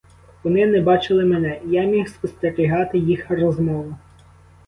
Вони не бачили мене, і я міг спостерігати їх розмову.